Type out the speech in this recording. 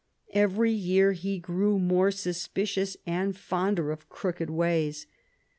Every year he grew more suspicious and fonder of crooked ways.